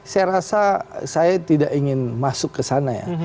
saya rasa saya tidak ingin masuk ke sana ya